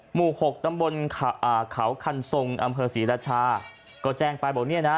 หกตำบลเขาคันทรงอำเภอศรีราชาก็แจ้งไปบอกเนี่ยนะ